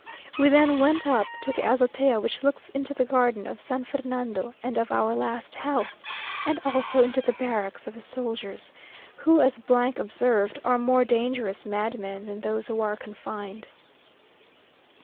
We then went up to the azotea, which looks into the garden of San Fernando and of our last house, and also into the barracks of the soldiers, who, as observed, are more dangerous madmen than those who are confined.